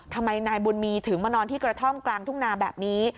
ทำไมนายบุญมีถึงมานอนที่กระท่อมกลางทุ่งนาแบบนี้